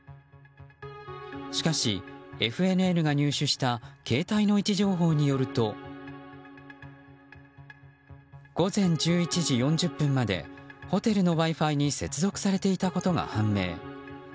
しかし、ＦＮＮが入手した携帯の位置情報によると午前１１時４０分までホテルのＷｉ‐Ｆｉに接続されていたことが判明。